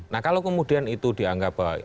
nah kalau kemudian itu dianggap bahwa